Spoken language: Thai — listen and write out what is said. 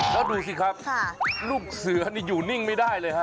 แล้วดูสิครับลูกเสือนี่อยู่นิ่งไม่ได้เลยฮะ